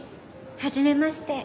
はじめまして。